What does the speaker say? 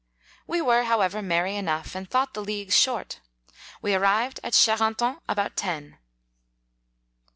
We were, however, merry enough, and thought the leagues short. We arrived at Charenton about ten.